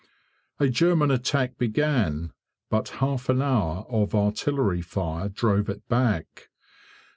A German attack began, but half an hour of artillery fire drove it back.